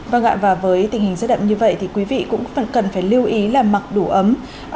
vâng ạ và với tình hình rét đậm như vậy thì quý vị cũng cần phải lưu ý là mặc đủ ấm